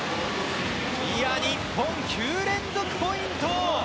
日本、９連続ポイント！